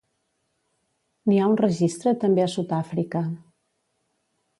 N'hi ha un registre també a Sud-àfrica.